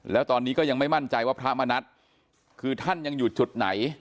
แล้วตอนนี้ก็ยังไม่มั่นใจว่าพระมณัฐคือท่านยังอยู่จุดไหน